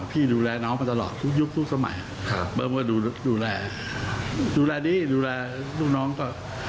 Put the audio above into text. พี่ดูแลน้องมาตลอดทุกยุคทุกสมัยมอยดูแลดีดูเน้อน้องก็